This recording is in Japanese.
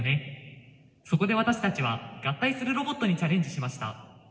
そこで私たちは合体するロボットにチャレンジしました。